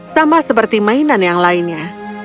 sama seperti mainan yang lainnya